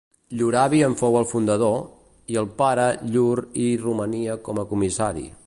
Llur avi en fou el fundador, i el pare llur hi romania com a comissari.